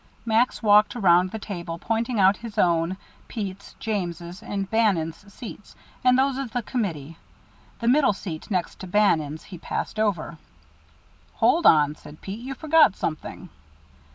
Max walked around the table, pointing out his own, Pete's, James', and Bannon's seats, and those of the committee. The middle seat, next to Bannon's he passed over. "Hold on," said Pete, "you forgot something."